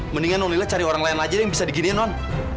mendingan nonila cari orang lain aja yang bisa diginiin non